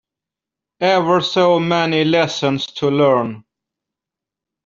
Ever so many lessons to learn!